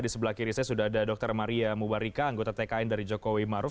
di sebelah kiri saya sudah ada dr maria mubarika anggota tkn dari jokowi maruf